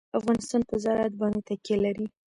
افغانستان په زراعت باندې تکیه لري.